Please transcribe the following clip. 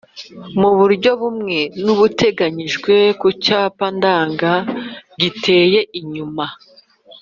mu buryo bumwe n'ubuteganyijwe ku cyapa ndanga giteye inyuma.